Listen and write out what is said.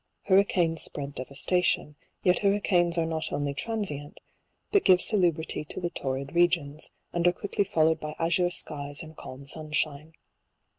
Hurricanes spread devastation ; yet hurricanes are not only tran sient, but give salubrity to the torrid regions, and are quickly followed by azure skies and calm sun shine.